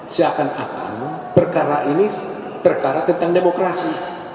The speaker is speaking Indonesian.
seakan akan perkara ini perkara tentang demokrasi